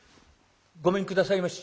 ごめんくださいまし。